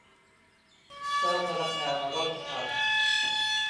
เจ้าพนักงานราชทัณฑ์